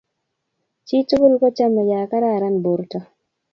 jii tugul ko chame ya kararan borto